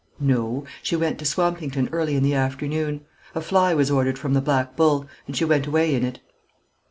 "No; she went to Swampington early in the afternoon. A fly was ordered from the Black Bull, and she went away in it."